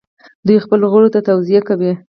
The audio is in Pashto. دوی خپلو غړو ته توصیه کوي.